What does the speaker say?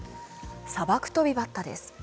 サバクトビバッタです。